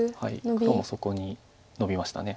黒もそこにノビました。